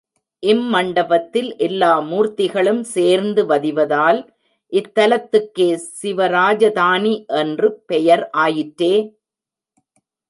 இம்மண்டபத்தில் எல்லா மூர்த்திகளும் சேர்ந்து வதிவதால் இத்தலத்துக்கே சிவராஜதானி என்று பெயர் ஆயிற்றே.